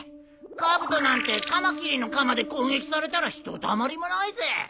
カブトなんてカマキリのカマで攻撃されたらひとたまりもないぜ。